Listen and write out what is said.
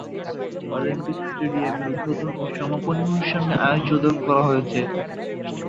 Olympic স্টেডিয়ামে উদ্বোধনী ও সমাপনী অনুষ্ঠানের আয়োজন করা হয়ে থাকে।